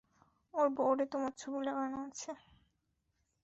ওর বোর্ডে তোমার ছবি লাগানো আছে!